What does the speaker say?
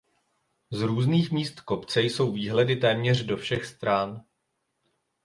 Z různých míst kopce jsou výhledy téměř do všech stran.